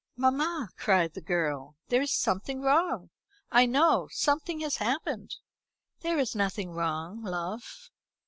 "Mamma," cried the girl, "there is something wrong, I know. Something has happened." "There is nothing wrong, love.